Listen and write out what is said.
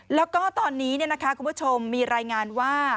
แล้วก็ตอนนี้คุณผู้ชมมีรายงานว่า